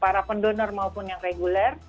para pendonor maupun yang reguler